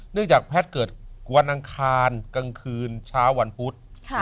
จากแพทย์เกิดวันอังคารกลางคืนเช้าวันพุธ